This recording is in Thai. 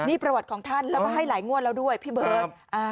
นี่ประวัติของท่านแล้วก็ให้หลายงวดแล้วด้วยพี่เบิร์ต